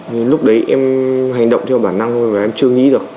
nhưng lúc đấy em hành động theo bản năng thôi và em chưa nghĩ được